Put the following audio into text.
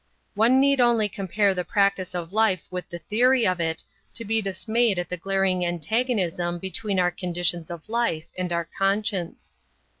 One need only compare the practice of life with the theory of it, to be dismayed at the glaring antagonism between our conditions of life and our conscience.